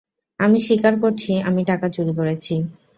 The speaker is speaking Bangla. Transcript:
আমি স্বীকার করছি আমি টাকা চুরি করেছি।